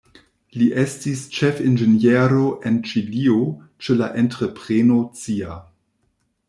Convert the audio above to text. Li estis ĉefinĝeniero en Ĉilio ĉe la entrepreno Cia.